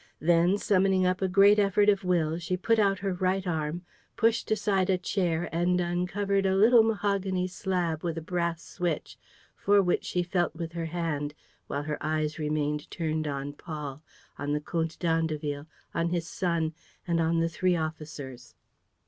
Then, summoning up a great effort of will, she put out her right arm, pushed aside a chair and uncovered a little mahogany slab with a brass switch, for which she felt with her hand while her eyes remained turned on Paul, on the Comte d'Andeville, on his son and on the three officers.